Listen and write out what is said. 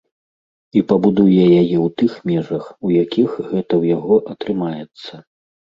І пабудуе яе ў тых межах, у якіх гэта ў яго атрымаецца.